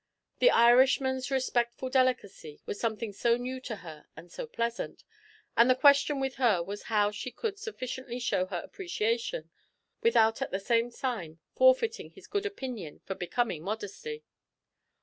The Irishman's respectful delicacy was something so new to her and so pleasant, and the question with her was how she could sufficiently show her appreciation without at the same time forfeiting his good opinion for becoming modesty.